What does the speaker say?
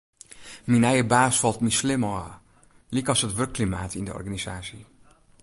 Myn nije baan falt my slim ôf, lykas it wurkklimaat yn de organisaasje.